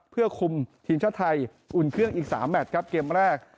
เพื่อคุมทีมชาติไทยอุ่นเครื่องอีก๓แมทครับเกมแรก